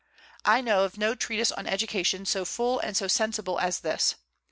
I know of no treatise on education so full and so sensible as this.